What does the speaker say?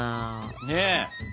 ねえ。